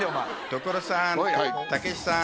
所さんたけしさん。